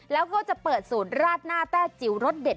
แล้วก็จะเปิดสูตรราดหน้าแต้จิ๋วรสเด็ด